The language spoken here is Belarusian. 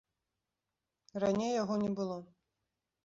Раней яго не было.